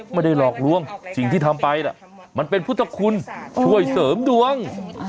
ไม่ได้หลอกลวงสิ่งที่ทำไปมันเป็นพุทธคุณช่วยเสริมดวง